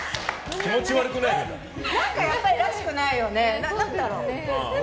やっぱり、らしくないよね。